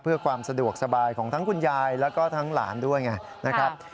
เพื่อความสะดวกสบายของทั้งคุณยายแล้วก็ทั้งหลานด้วยไงนะครับ